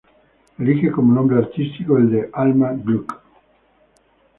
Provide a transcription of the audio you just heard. Elije como nombre artístico el de Alma Gluck.